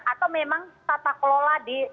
atau memang tata kelola di